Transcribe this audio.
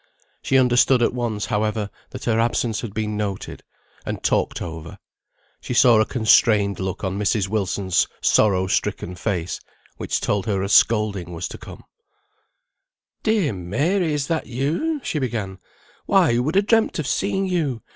She understood at once, however, that her absence had been noted, and talked over; she saw a constrained look on Mrs. Wilson's sorrow stricken face, which told her a scolding was to come. [Footnote 39: To "side," to put aside, or in order.] "Dear Mary, is that you?" she began. "Why, who would ha' dreamt of seeing you!